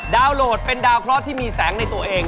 โหลดเป็นดาวเคราะห์ที่มีแสงในตัวเอง